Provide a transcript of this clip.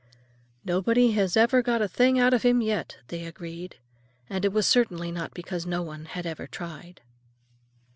"Nobody has ever got a thing out of him yet," they agreed. And it was certainly not because no one had ever tried.